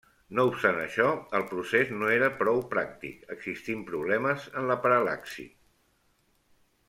No obstant això, el procés no era prou pràctic, existint problemes en la paral·laxi.